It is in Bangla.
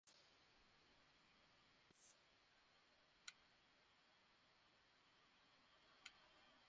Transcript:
প্লিজ, পড়ে দেখুন এটা!